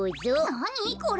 なあにこれ？